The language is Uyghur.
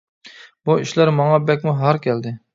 بۇ ئىشلار ماڭا بەكمۇ ھار كەلدى.